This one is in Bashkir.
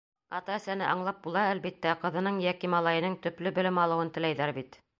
Ата-әсәне аңлап була, әлбиттә: ҡыҙының йәки малайының төплө белем алыуын теләйҙәр бит.